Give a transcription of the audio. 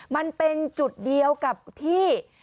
มันเป็นจุดเดียวกับที่